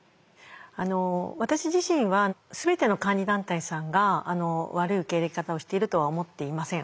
私自身は全ての監理団体さんが悪い受け入れ方をしているとは思っていません。